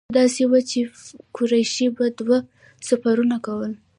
کیسه داسې وه چې قریشو به دوه سفرونه کول.